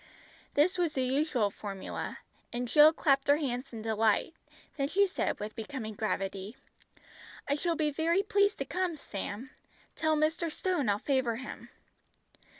This was the usual formula, and Jill clapped her hands in delight; then she said with becoming gravity "I shall be very pleased to come, Sam. Tell Mr. Stone I'll favour him."